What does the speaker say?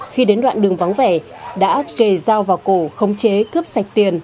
khi đến đoạn đường vắng vẻ đã kề dao vào cổ khống chế cướp sạch tiền